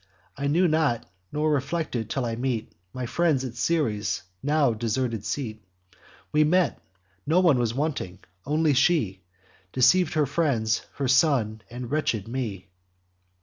I knew not, or reflected, till I meet My friends, at Ceres' now deserted seat. We met: not one was wanting; only she Deceiv'd her friends, her son, and wretched me.